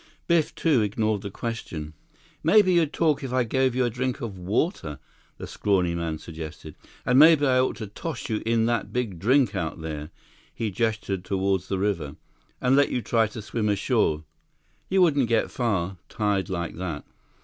Biff, too, ignored the question. "Maybe you'd talk if I gave you a drink of water," the scrawny man suggested, "and maybe I ought to toss you in that big drink out there"—he gestured toward the river—"and let you try to swim ashore. You wouldn't get far, tied like that."